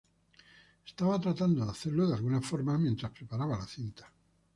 Estaba tratando de hacerlo de alguna forma mientras preparaba la cinta.